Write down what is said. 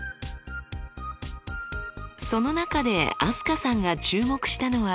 その中で飛鳥さんが注目したのは。